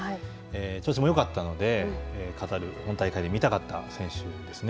調子もよかったので、カタール、本大会で見たかった選手ですね。